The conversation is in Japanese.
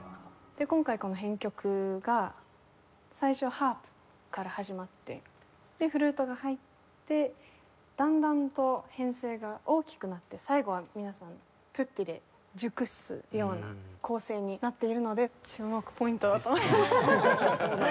今回この編曲が最初ハープから始まってでフルートが入ってだんだんと編成が大きくなって最後は皆さんトゥッティで熟すような構成になっているので注目ポイントだと思います。